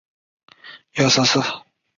大杜若为鸭跖草科杜若属的植物。